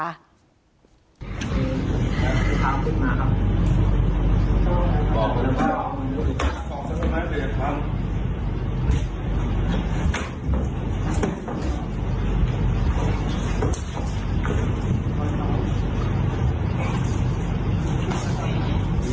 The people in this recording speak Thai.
มันต้องกลับมามันต้องกลับมา